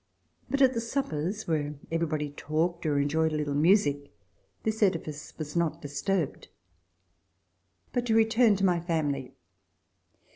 But at the suppers, where everybody talked or enjoyed a little music, this edifice was not disturbed. But to return to my family.